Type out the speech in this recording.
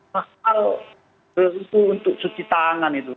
mahal itu untuk cuci tangan itu